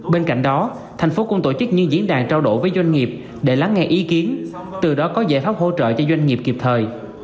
bên cạnh đó thành phố cũng tổ chức những diễn đàn trao đổi với doanh nghiệp để lắng nghe ý kiến từ đó có giải pháp hỗ trợ cho doanh nghiệp kịp thời